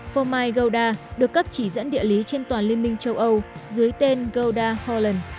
phò mai gouda được cấp chỉ dẫn địa lý trên toàn liên minh châu âu dưới tên gouda holland